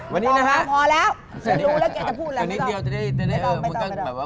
พอแล้วอย่างนี้เดียวจะได้